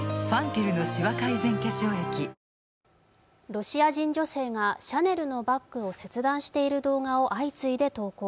ロシア人女性がシャネルのバッグを切断している動画を相次いで投稿。